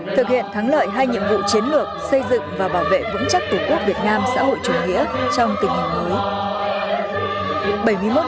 thực hiện thắng lợi hai nhiệm vụ chiến lược xây dựng và bảo vệ vững chắc tổ quốc việt nam xã hội chủ nghĩa trong tình hình mới